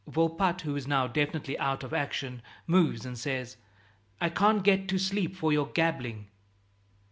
Volpatte, who is now definitely out of action, moves and says, "I can't get to sleep for your gabbling."